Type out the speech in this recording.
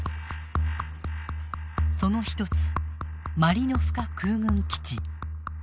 その１つマリノフカ空軍基地。